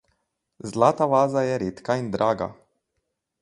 Zlata vaza je redka in draga.